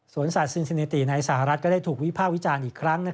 ศาสซินซิเนติในสหรัฐก็ได้ถูกวิภาควิจารณ์อีกครั้ง